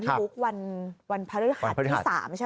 พี่พุกวันพฤหัสที่สามใช่ไหม